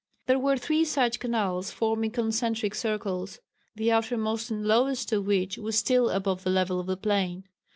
There were three such canals forming concentric circles, the outermost and lowest of which was still above the level of the plain.